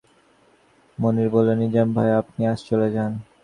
মুনির বলল, নিজাম ভাই, আপনি আজ চলে যান।